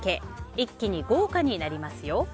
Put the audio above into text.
一気に豪華になりますよ。